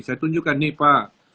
saya tunjukkan nih pak